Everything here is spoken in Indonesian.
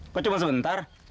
kok cuma sebentar